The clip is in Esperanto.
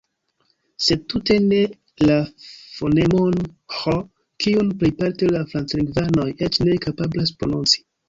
Sed tute ne la fonemon Ĥ, kiun plejparte la franclingvanoj eĉ ne kapablas prononci.